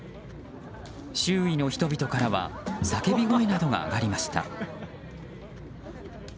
周囲の人々からは叫び声などが上がりました。